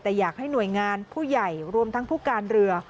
แต่อยากให้หน่วยงานผู้ใหญ่รวมทั้งผู้การเรือ